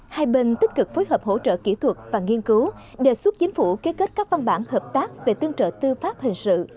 hai bên tích cực phối hợp hỗ trợ kỹ thuật và nghiên cứu đề xuất chính phủ ký kết các văn bản hợp tác về tương trợ tư pháp hình sự